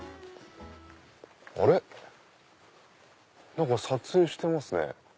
何か撮影してますね。